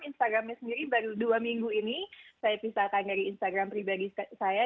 instagramnya sendiri baru dua minggu ini saya pisahkan dari instagram pribadi saya